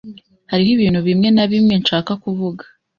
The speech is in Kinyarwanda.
Hariho ibintu bimwe na bimwe nshaka kuvuga.